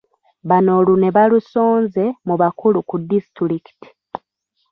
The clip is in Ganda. Bano olunwe balusonze mu bakulu ku disitulikiti